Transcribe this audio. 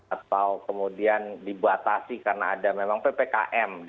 atau kemudian dibatasi karena ada memang ppkm